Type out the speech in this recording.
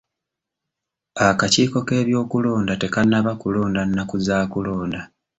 Akakiiko k'ebyokulonda tekannaba kulonda nnaku za kulonda.